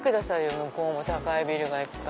向こうも高いビルがいっぱい。